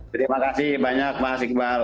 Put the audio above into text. terima kasih banyak mas iqbal